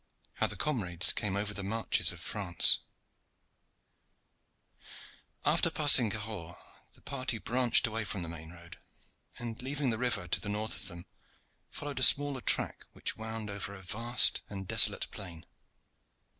HOW THE COMRADES CAME OVER THE MARCHES OF FRANCE After passing Cahors, the party branched away from the main road, and leaving the river to the north of them, followed a smaller track which wound over a vast and desolate plain.